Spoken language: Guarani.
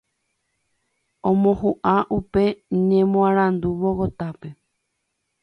Omohuʼã upe ñemoarandu Bogotápe.